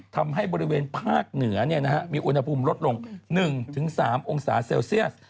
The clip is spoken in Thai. ทำให้บริเวณภาคเหนือมีอุณหภูมิลดลง๑๓องศาเซลเซียส